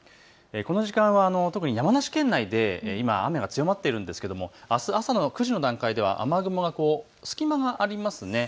この時間は特に山梨県内で今、雨が強まっているんですけれどもあす朝９時の段階、雨雲、隙間がありますね。